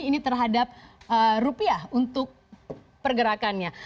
ini terhadap rupiah untuk pergerakannya